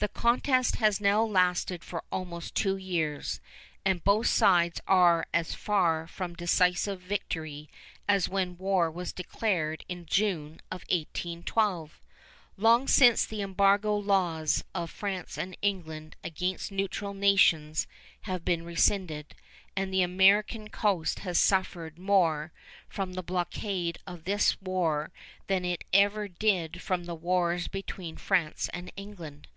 The contest has now lasted for almost two years, and both sides are as far from decisive victory as when war was declared in June of 1812. Long since the embargo laws of France and England against neutral nations have been rescinded, and the American coast has suffered more from the blockade of this war than it ever did from the wars between France and England.